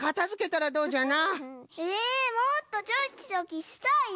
えもっとチョキチョキしたいよ。